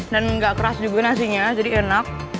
dan gak keras juga nasinya jadi enak